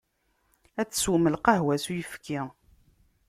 Ad teswem lqahwa s uyefki.